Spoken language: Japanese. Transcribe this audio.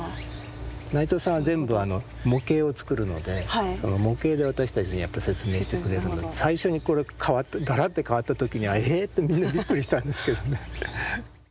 内藤さんは全部模型を作るので模型で私たちに説明してくれるので最初にガラって変わった時にはえぇ？ってみんなびっくりしたんですけどね。